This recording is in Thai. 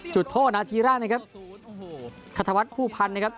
จุดโทษณาทีแรกนะครับอัฐวัฒน์ภูมิภัณฑ์นะครับ